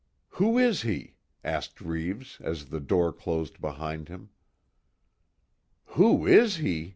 "Who is he?" asked Reeves, as the door closed behind him. "Who is he!"